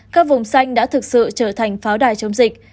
các vùng xanh đã thực sự trở thành pháo đài chống dịch